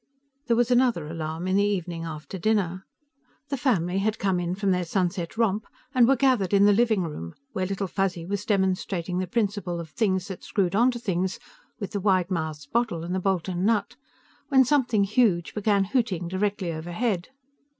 There was another alarm in the evening after dinner. The family had come in from their sunset romp and were gathered in the living room, where Little Fuzzy was demonstrating the principle of things that screwed onto things with the wide mouthed bottle and the bolt and nut, when something huge began hooting directly overhead.